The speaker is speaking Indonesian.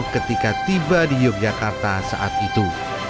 ketika tiba di yogyakarta saat itu